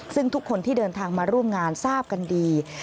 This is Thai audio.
ซึ่งทุกคนที่เดินทางมาร่วมงานทราบกันดี